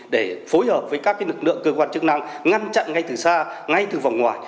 để phối hợp với các lực lượng cơ quan chức năng ngăn chặn ngay từ xa ngay từ vòng ngoài